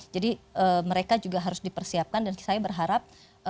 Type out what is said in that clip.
jadi mereka juga harus dipersiapkan dan saya berharap